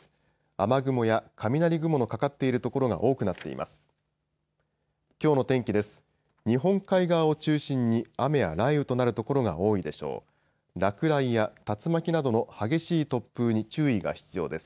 雨雲や雷雲のかかっている所が多くなっています。